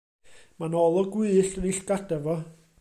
Mae 'na olwg wyllt yn 'i llgada fo.